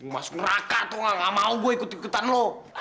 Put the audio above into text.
mas neraka tuh gak mau gue ikut ikutan lo